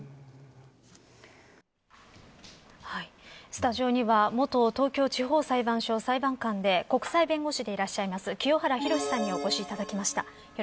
スタジオには元東京地方裁判所裁判官で国際弁護士でいらっしゃる清原博さんにお越しいただきました。